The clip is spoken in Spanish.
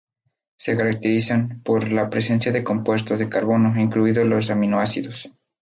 Se caracterizan por la presencia de compuestos de carbono, incluidos los aminoácidos.